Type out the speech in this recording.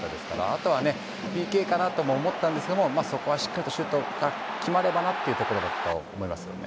あとはＰＫかなとも思ったんですがしっかりシュートが決まればというところでした。